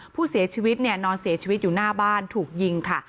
ผู้เสียชีวิตเนี่ยนอนเสียชีวิตอยู่หน้าบ้านถูกยิงค่ะ